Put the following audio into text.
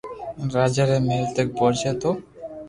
راجا ري مھل تڪ پوچي تو